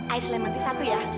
aisle mati satu ya